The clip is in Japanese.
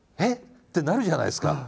ってなるじゃないですか。